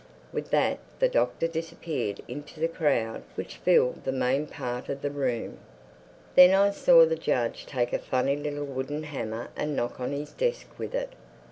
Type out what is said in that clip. With that the Doctor disappeared into the crowd which filled the main part of the room. Then I saw the judge take up a funny little wooden hammer and knock on his desk with it.